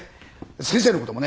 先生のこともね